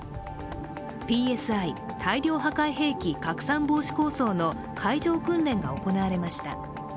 ＰＳＩ＝大量破壊兵器拡散防止構想の海上訓練が行われました。